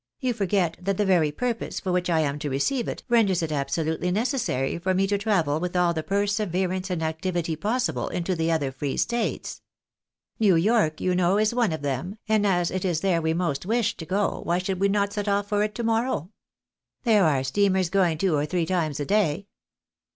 You forget that the very purpose for which I am to receive it, renders it absolutely necessary for me to travel with all the perseverance and activity possible into the other Free States. New York, you know, is one of them, and as THE BILL OF FARE. 251 it is there we most wish to go, why should we not set off for it to morrow? There are steamers going two or three times a day."